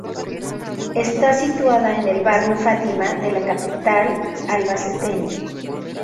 Está situada en el barrio Fátima de la capital albaceteña.